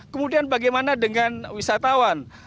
kemudian bagaimana dengan wisatawan